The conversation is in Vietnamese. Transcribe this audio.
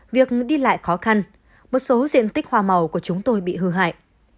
việc đi lại khó khăn một số diện tích hoa màu của chúng tôi bị hư hại